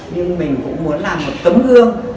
nhưng mình cũng muốn làm một tấm gương